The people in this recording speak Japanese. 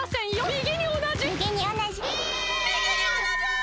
みぎにおなじ！